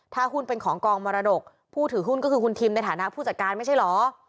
ถ้าหุ้นเป็นของกองมรดกผู้ถือหุ้นก็คือคุณทิมในฐานะผู้จัดการไม่ใช่เหรอ